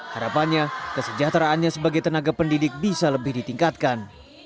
harapannya kesejahteraannya sebagai tenaga pendidik bisa lebih ditingkatkan